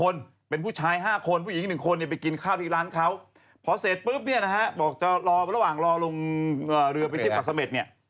รอลงเรือไปที่ปัสเม็ด